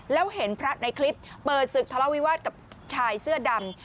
แล้วเห็นพระในคลิปเปิดศึกทะเลาวิวาสกับชายเสื้อดำ